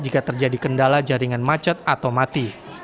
jika terjadi kendala jaringan macet atau mati